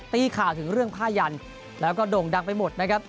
ตีข่าวถึงเรื่องผ้ายันแล้วก็โด่งดังไปหมดนะครับ